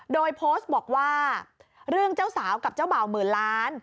โดยโพสต์บอกว่าเรื่องเจ้าสาวกับเจ้าบ่าวหมื่นล้าน